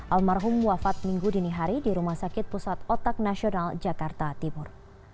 almarhum wafat minggu dini hari di rumah sakit pusat otak nasional jakarta timur